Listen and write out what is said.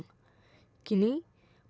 kini menara digunakan sebagai penyelidikan